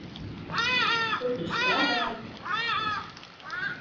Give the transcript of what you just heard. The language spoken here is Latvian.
Kur tu strādāji?